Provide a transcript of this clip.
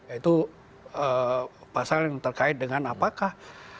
yaitu pasal yang terkait dengan apakah